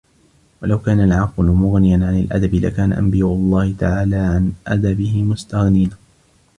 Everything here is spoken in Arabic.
وَلَوْ كَانَ الْعَقْلُ مُغْنِيًا عَنْ الْأَدَبِ لَكَانَ أَنْبِيَاءُ اللَّهِ تَعَالَى عَنْ أَدَبِهِ مُسْتَغْنِينَ